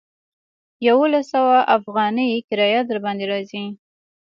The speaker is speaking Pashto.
يوولس سوه اوغانۍ کرايه درباندې راځي.